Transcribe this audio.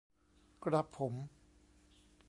กระผม